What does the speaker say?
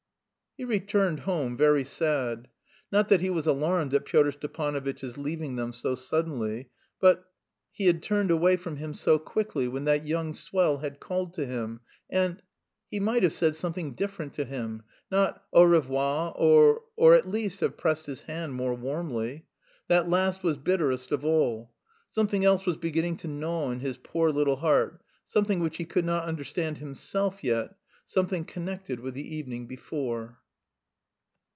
He returned home very sad. Not that he was alarmed at Pyotr Stepanovitch's leaving them so suddenly, but... he had turned away from him so quickly when that young swell had called to him and... he might have said something different to him, not "Au revoir," or... or at least have pressed his hand more warmly. That last was bitterest of all. Something else was beginning to gnaw in his poor little heart, something which he could not understand himself yet, something connected with the evening before.